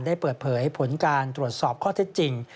ได้เปิดเผยผลการตรวจสอบข้อเท็จจริง